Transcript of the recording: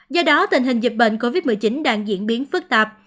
do đó tình hình dịch bệnh covid một mươi chín đang diễn biến phức tạp